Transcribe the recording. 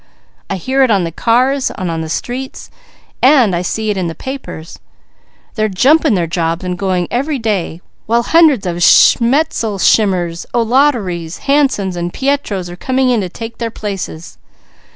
I hear it on the cars, on the streets, and see it in the papers. They're jumping their jobs and going every day, while hundreds of Schmeltzenschimmers, O'Laughertys, Hansons, and Pietros are coming in to take their places.